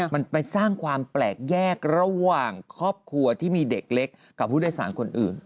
มันไปสร้างความแปลกแยกระหว่างครอบครัวที่มีเด็กเล็กกับผู้โดยสารคนอื่น